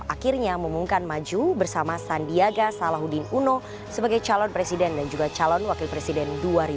akhirnya mengumumkan maju bersama sandiaga salahuddin uno sebagai calon presiden dan juga calon wakil presiden dua ribu sembilan belas